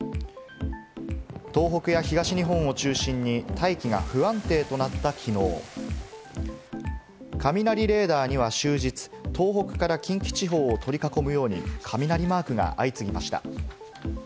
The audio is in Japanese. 東北や東日本を中心に大気が不安定となったきのう、雷レーダーには終日、東北から近畿地方を取り囲むように雷マークが相次ぎました。